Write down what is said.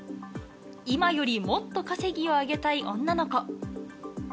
今よりもっと稼ぎを上げたい女の子。